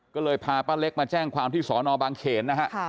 ก็เลยพาป้าเล็กมาแจ้งความที่สอนอบางเขนนะฮะ